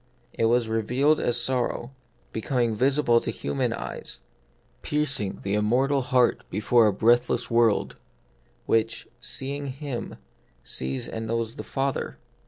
It was revealed as sor row, becoming visible to human eyes ; pierc ing the immortal heart before a breathless world, which, seeing Him, sees and knows the Father.